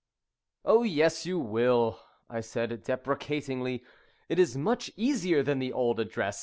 "Oh yes, you will," I said deprecatingly. "It is much easier than the old address.